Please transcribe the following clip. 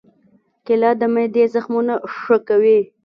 کېله د معدې زخمونه ښه کوي.